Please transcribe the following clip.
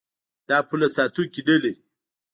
دا پوله ساتونکي نلري.